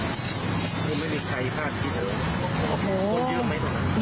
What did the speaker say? คนเยอะไหมตรงนั้น